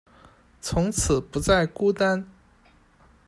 从此不再孤单